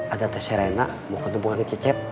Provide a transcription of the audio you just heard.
ada teh serena mau ketemukan cecep